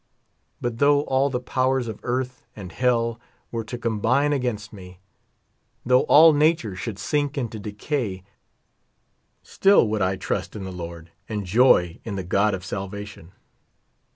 But though all the powers of earth and hell were to combine against me, though all nature should sink into decay, still would I trust in the Lord, and joy in the God of salvation.